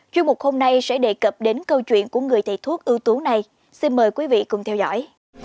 chuyên mục hôm nay sẽ đề cập đến câu chuyện của người thầy thuốc ưu tú này xin mời quý vị cùng theo dõi